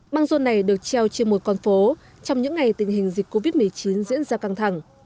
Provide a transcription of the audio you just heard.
mang rôn này được treo trên một con phố trong những ngày tình hình dịch covid một mươi chín diễn ra căng thẳng